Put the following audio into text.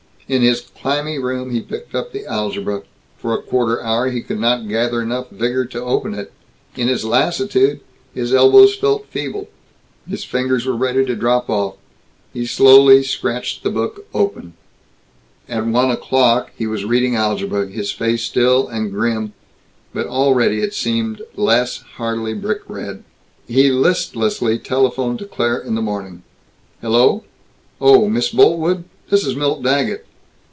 In his clammy room he picked up the algebra. For a quarter hour he could not gather enough vigor to open it. In his lassitude, his elbows felt feeble, his fingers were ready to drop off. He slowly scratched the book open At one o'clock he was reading algebra, his face still and grim. But already it seemed less heartily brick red. He listlessly telephoned to Claire, in the morning. "Hello? Oh! Miss Boltwood? This is Milt Daggett."